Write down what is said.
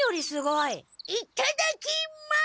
いただきます！